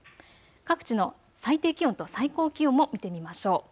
各地の最低気温と最高気温も見てみましょう。